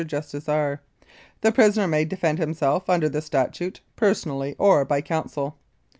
JUSTICE R. : The prisoner may defend himself under the statute, personally or by counsel.